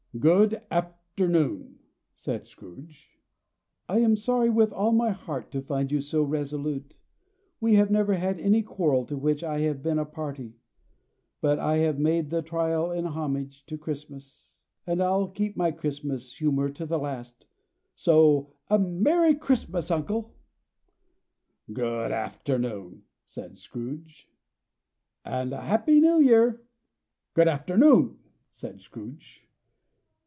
"Good afternoon," said Scrooge. "I am sorry, with all my heart, to find you so resolute. We have never had any quarrel, to which I have been a party. But I have made the trial in homage to Christmas, and I'll keep my Christmas humor to the last. So a Merry Christmas, uncle!" "Good afternoon!" said Scrooge. "And a Happy New Year!" "Good afternoon!" said Scrooge.